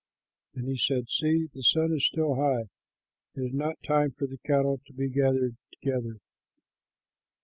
And he said, "See, the sun is still high! It is not time for the cattle to be gathered together.